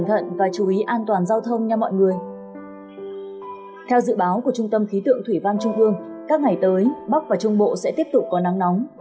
theo dự báo của trung tâm khí tượng thủy văn trung ương các ngày tới bắc và trung bộ sẽ tiếp tục có nắng nóng